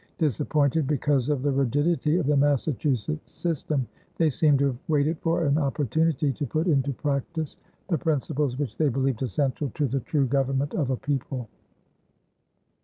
Disappointed because of the rigidity of the Massachusetts system, they seem to have waited for an opportunity to put into practice the principles which they believed essential to the true government of a people.